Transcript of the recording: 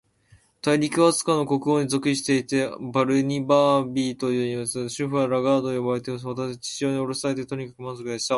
大陸は、飛島の国王に属していて、バルニバービといわれています。首府はラガードと呼ばれています。私は地上におろされて、とにかく満足でした。